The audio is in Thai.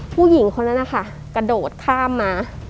ผู้หญิงคนนั้นนะคะกระโดดข้ามมา